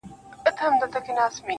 تا د جنگ لويه فلـسفه ماتــه كــړه.